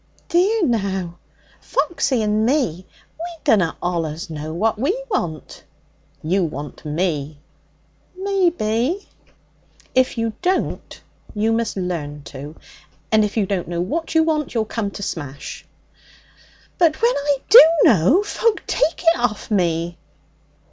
'Dear now! Foxy and me, we dunna allus know what we want.' 'You want me.' 'Maybe.' 'If you don't, you must learn to. And if you don't know what you want, you'll come to smash.' 'But when I do know, folk take it off me.'